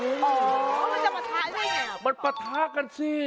อ๋อมันจะปะท้ากันอย่างไรอ่ะปะท้ากันสิ